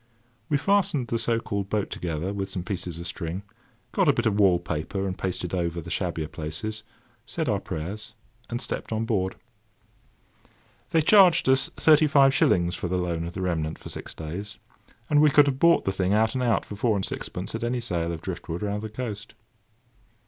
We fastened the so called boat together with some pieces of string, got a bit of wall paper and pasted over the shabbier places, said our prayers, and stepped on board. They charged us thirty five shillings for the loan of the remnant for six days; and we could have bought the thing out and out for four and sixpence at any sale of drift wood round the coast.